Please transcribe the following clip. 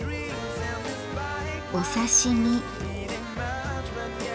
お刺身。